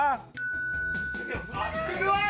ช่วยด้วย